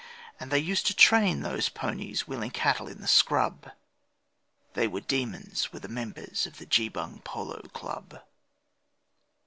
And they used to train those ponies wheeling cattle in the scrub: They were demons, were the members of the Geebung Polo Club.